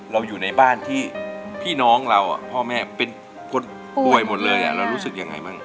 อยู่ในบ้านที่พี่น้องเราพ่อแม่เป็นคนป่วยหมดเลยเรารู้สึกยังไงบ้าง